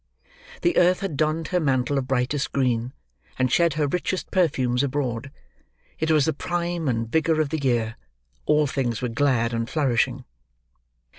The earth had donned her mantle of brightest green; and shed her richest perfumes abroad. It was the prime and vigour of the year; all things were glad and flourishing.